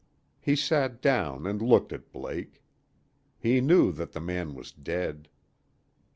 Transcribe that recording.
He sat down and looked at Blake. He knew that the man was dead.